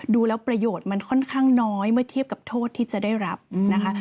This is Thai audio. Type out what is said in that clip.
ดูแล้วประโยชน์มันค่อนข้างน้อยเมื่อเทียบกับโทษที่จะได้รับนะคะ